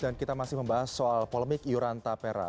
dan kita masih membahas soal polemik iuran tapera